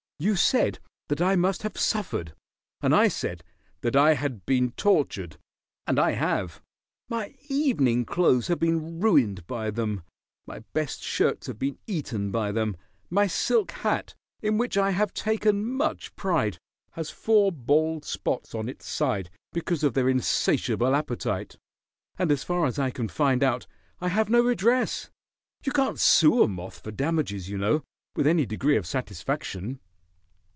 You said that I must have suffered, and I said that I had been tortured, and I have. My evening clothes have been ruined by them; my best shirts have been eaten by them; my silk hat, in which I have taken much pride, has four bald spots on its side because of their insatiable appetite, and as far as I can find out, I have no redress. You can't sue a moth for damages, you know, with any degree of satisfaction."